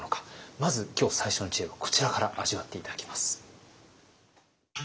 まず今日最初の知恵はこちらから味わって頂きます。